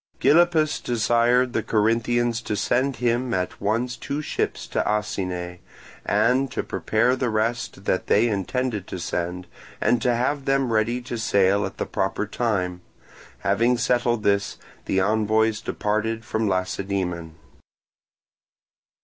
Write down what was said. Gylippus desired the Corinthians to send him at once two ships to Asine, and to prepare the rest that they intended to send, and to have them ready to sail at the proper time. Having settled this, the envoys departed from Lacedaemon.